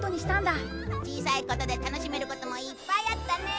小さいことで楽しめることもいっぱいあったね